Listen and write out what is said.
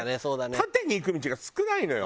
縦にいく道が少ないのよこれが。